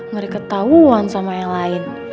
mari ketauan sama yang lain